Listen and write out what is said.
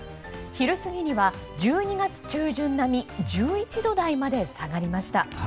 昼過ぎには１２月中旬並み１１度台まで下がりました。